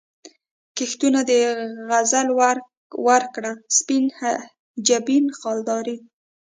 کښتونه د غزل وکره، سپین جبین خالدارې